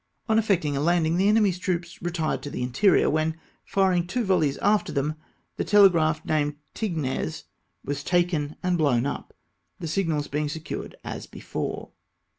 On effecting a landing, the enemy's troops re tired to the interior, when, firing two volleys after them, the telegraph named Tignes was taken and blown up, the signals being secured as before.